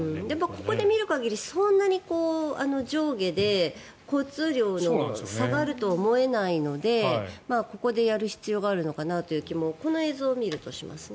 ここで見る限りそんなに上下で交通量の差があるとは思えないのでここでやる必要があるのかなという気もこの映像を見るとしますね。